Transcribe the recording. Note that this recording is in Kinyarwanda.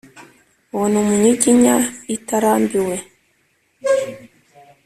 uwo ni umunyiginya itarambiwe